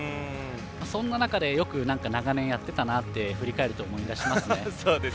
そんな中でよく長年やってたなって振り返ると思い出しますね。